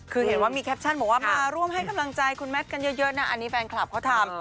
คือเห็นว่ามีแคปชั่นบอกว่ามาร่วมให้กำลังใจคุณแมทกันเยอะนะอันนี้แฟนคลับเขาทำ